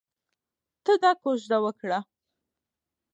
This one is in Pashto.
ته دا کوژده وکړه.